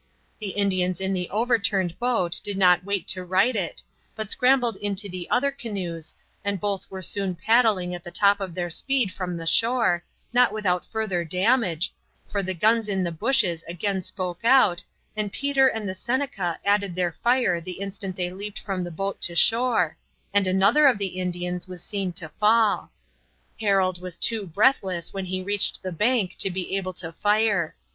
The Indians in the overturned boat did not wait to right it, but scrambled into the other canoes, and both were soon paddling at the top of their speed from the shore, not without further damage, for the guns in the bushes again spoke out, and Peter and the Seneca added their fire the instant they leaped from the boat to shore, and another of the Indians was seen to fall. Harold was too breathless when he reached the bank to be able to fire.